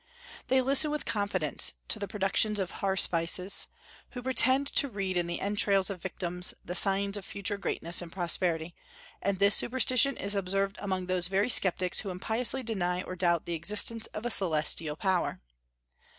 They listen with confidence to the productions of haruspices, who pretend to read in the entrails of victims the signs of future greatness and prosperity; and this superstition is observed among those very sceptics who impiously deny or doubt the existence of a celestial power."